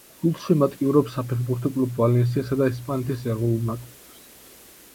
გულშემატკივრობს საფეხბურთო კლუბ „ვალენსიასა“ და ესპანეთის ეროვნულ ნაკრებს.